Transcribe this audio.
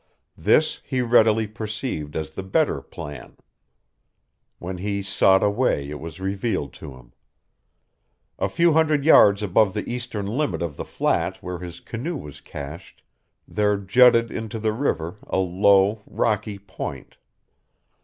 This he readily perceived as the better plan. When he sought a way it was revealed to him. A few hundred yards above the eastern limit of the flat where his canoe was cached, there jutted into the river a low, rocky point.